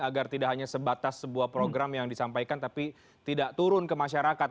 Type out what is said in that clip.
agar tidak hanya sebatas sebuah program yang disampaikan tapi tidak turun ke masyarakat